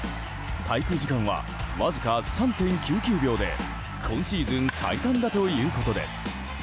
滞空時間は、わずか３．９９秒で今シーズン最短だということです。